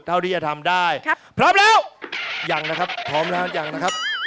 เท่าที่จะทำได้พร้อมแล้วยังนะครับพร้อมแล้วยังนะครับ